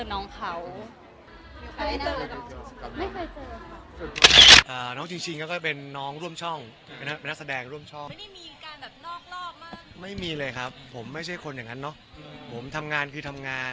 ไม่มีเลยครับผมไม่ใช่คนอย่างนั้นเนาะผมทำงานคือทำงาน